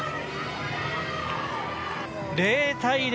０対０。